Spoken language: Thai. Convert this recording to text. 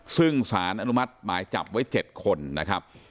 ซึ่งสารอนุมัติหมายจับไว้๗คนนะครับ